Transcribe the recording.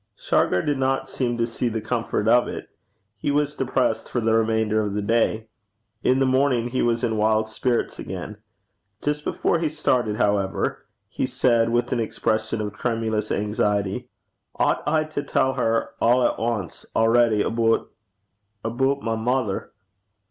Shargar did not seem to see the comfort of it. He was depressed for the remainder of the day. In the morning he was in wild spirits again. Just before he started, however, he said, with an expression of tremulous anxiety, 'Oucht I to tell her a' at ance already aboot aboot my mither?'